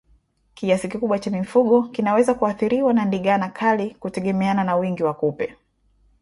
Kiasi kikubwa cha mifugo kinaweza kuathiriwa na ndigana kali kutegemeana na wingi wa kupe